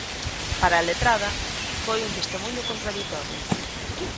Para a letrada, foi un testemuño contraditorio.